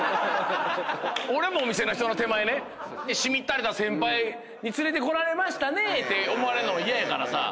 俺もお店の人の手前ねしみったれた先輩に連れてこられましたねって思われるのも嫌やからさ。